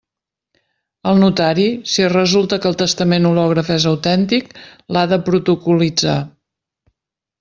El notari, si resulta que el testament hològraf és autèntic, l'ha de protocol·litzar.